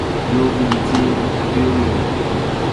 iuving cin biu’ing